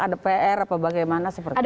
ada pr apa bagaimana seperti itu